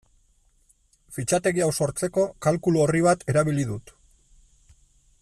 Fitxategi hau sortzeko kalkulu-orri bat erabili dut.